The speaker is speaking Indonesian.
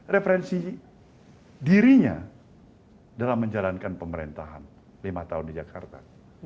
referensi dirinya dalam menjalankan pemerintahan lima tahun di jakarta